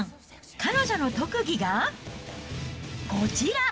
彼女の特技が、こちら。